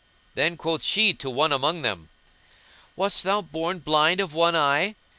Then quoth she to one among them, "Wast thou born blind of one eye?"